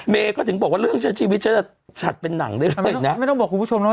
เมย์ก็ถึงบอกว่าเรื่องชีวิตเธอจะโชตเป็นหนังได้เลยนะ